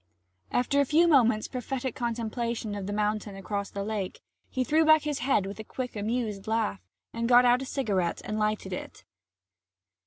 After a few moments' prophetic contemplation of the mountain across the lake, he threw back his head with a quick amused laugh, and got out a cigarette and lighted it.